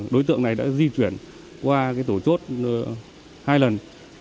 đối tượng này đã di chuyển qua tổ chốt hai lần